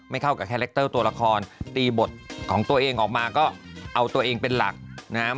ไม่เข้ากับตัวละครตีบทของตัวเองออกมาก็เอาตัวเองเป็นหลักนะ